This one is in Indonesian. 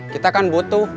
kita kan butuh